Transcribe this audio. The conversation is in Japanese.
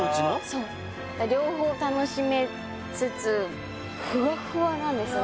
そう両方楽しめつつフワッフワなんですよ